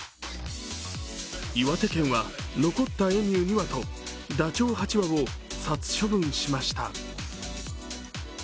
岩手県は残ったエミュー２羽とダチョウ３羽を殺処分しました。